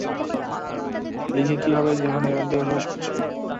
লিখে কী হবে যখন এর মধ্যেই বসবাস করছ?